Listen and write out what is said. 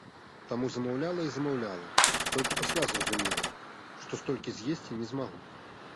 Таму замаўляла і замаўляла, толькі пасля зразумела, што столькі з'есці я не змагу.